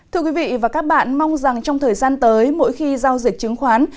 thưa quý vị và các bạn mong rằng trong thời gian tới mỗi khi giao dịch chứng khoán